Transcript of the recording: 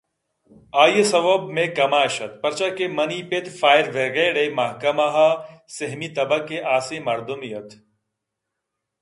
آئی ءِ سوب مئے کماش ات پرچا کہ منی پت فائر بریگیڈ ءِ محکمہ ءَ سیمی تبک ءِ حاصیں مردمئے اَت